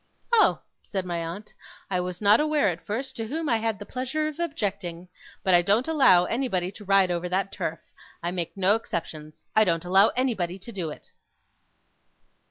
'Oh!' said my aunt, 'I was not aware at first to whom I had the pleasure of objecting. But I don't allow anybody to ride over that turf. I make no exceptions. I don't allow anybody to do it.